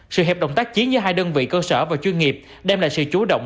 sự hiệp động tác chiến giữa hai đơn vị cơ sở và chuyên nghiệp đem lại sự chú động